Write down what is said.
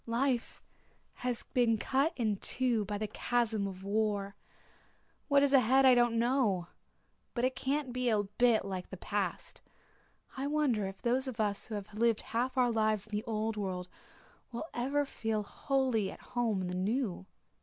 Life has been cut in two by the chasm of war. What is ahead I don't know but it can't be a bit like the past. I wonder if those of us who have lived half our lives in the old world will ever feel wholly at home in the new."